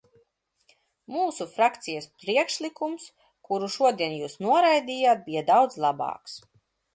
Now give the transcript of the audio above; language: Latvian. Mūsu frakcijas priekšlikums, kuru šodien jūs noraidījāt, bija daudz labāks.